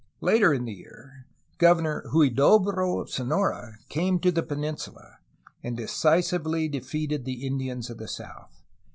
Later in the year Gov ernor Huydobro of Sonora came to the peninsula, and decisively defeated the Indians of the south.